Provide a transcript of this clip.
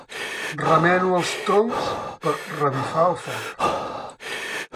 Remeno els troncs per revifar el foc.